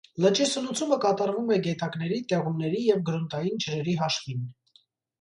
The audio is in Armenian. Լճի սնուցումը կատարվում է գետակների, տեղումների և գրունտային ջրերի հաշվին։